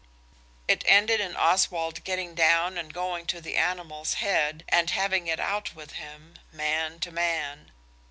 It ended in Oswald getting down and going to the animal's head, and having it out with him, man to man.